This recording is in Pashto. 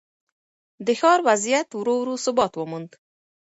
د ښار وضعیت ورو ورو ثبات وموند.